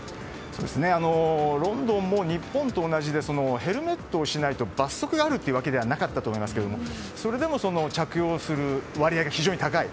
ロンドンも日本と同じでヘルメットをしないと罰則があるというわけではなかったと思いますがそれでも、着用する割合が非常に高い。